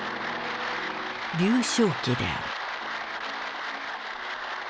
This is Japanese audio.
劉少奇である。